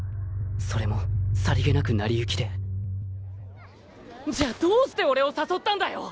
それもさりげなくなりゆきでじゃあどうして俺を誘ったんだよ！